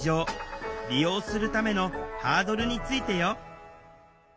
利用するためのハードルについてよ